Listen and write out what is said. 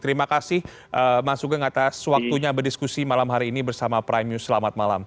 terima kasih mas sugeng atas waktunya berdiskusi malam hari ini bersama prime news selamat malam